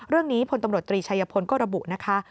เรื่องนี้พศชัยพลก็ระบุนะคะ